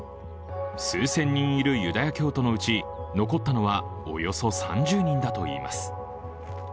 数千人いるユダヤ教徒のうち残ったのはおよそ３０人だといいます。